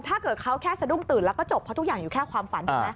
ถ้าเกิดเขาแค่สะดุ้งตื่นแล้วก็จบเพราะทุกอย่างอยู่แค่ความฝันถูกไหม